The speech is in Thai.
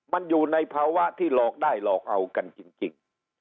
มันอยู่ในภาวะที่หลอกได้หลอกเอากันจริง